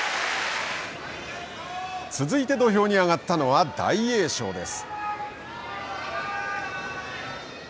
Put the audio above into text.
続いて土俵に上がったのは大栄翔です。